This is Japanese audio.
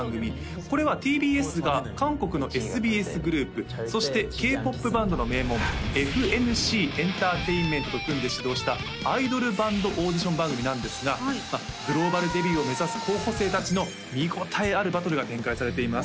これはＴＢＳが韓国のＳＢＳグループそしてＫ−ＰＯＰバンドの名門ＦＮＣＥＮＴＥＲＴＡＩＮＭＥＮＴと組んで始動したアイドルバンドオーディション番組なんですがグローバルデビューを目指す候補生達の見応えあるバトルが展開されています